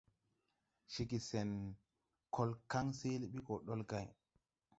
Ceege sen kol kan seele bi go dolgãy.